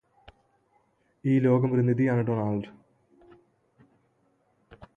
ഈ ലോകം ഒരു നിധിയാണ് ഡൊണാൾഡ്